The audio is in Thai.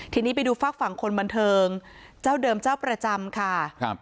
ทีนี้ไปดูฝากฝั่งคนบันเทิงเจ้าเดิมเจ้าประจำค่ะครับ